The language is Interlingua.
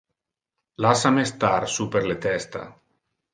Lassa me star super le testa.